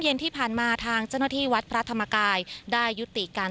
เย็นที่ผ่านมาทางเจ้าหน้าที่วัดพระธรรมกายได้ยุติการ